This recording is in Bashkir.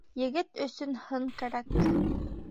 Егет өсөн һын кәрәк.